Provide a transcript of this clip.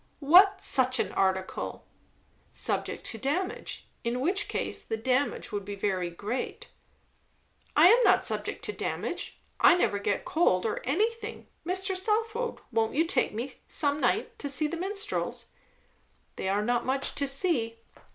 "What 'such an article'?" "Subject to damage; in which case the damage would be very great." "I am not subject to damage. I never get cold or anything. Mr. Southwode, won't you take me, some night, to see the Minstrels?" "They are not much to see."